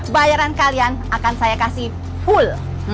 bayaran kalian akan saya kasih full